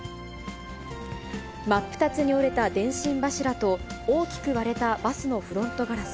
真っ二つに折れた電信柱と、大きく割れたバスのフロントガラス。